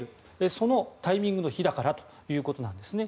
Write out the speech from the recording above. そのタイミングの日だからということなんですね。